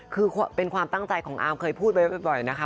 คือเป็นความตั้งใจของอาร์มเคยพูดไว้บ่อยนะคะ